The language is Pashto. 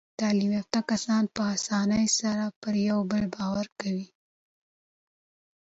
تعلیم یافته کسان په اسانۍ سره پر یو بل باور کوي.